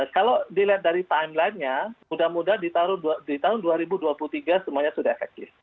kalau dilihat dari timeline nya mudah mudahan di tahun dua ribu dua puluh tiga semuanya sudah efektif